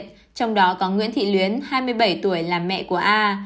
trong đó có nguyễn thị luyến hai mươi bảy tuổi là mẹ của a